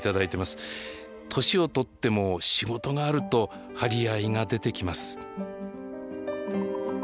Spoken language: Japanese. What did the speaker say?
年を取っても仕事があると張り合いが出てきます。